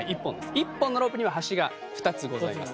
一本のロープには端が２つございます。